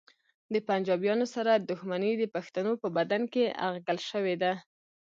د پنجابیانو سره دښمني د پښتنو په بدن کې اغږل شوې ده